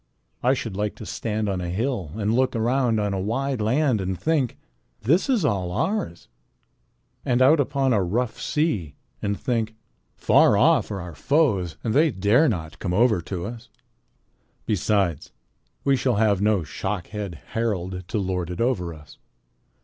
I should like to stand on a hill and look around on a wide land and think, 'This is all ours,' and out upon a rough sea and think, 'Far off there are our foes and they dare not come over to us.' Besides, we shall have no Shockhead Harald to lord it over us.